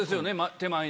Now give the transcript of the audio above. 手前に。